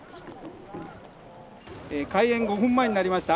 開園５分前になりました。